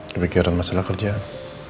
kepikiran masalah kerjaan